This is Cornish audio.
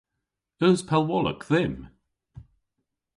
Eus pellwolok dhymm?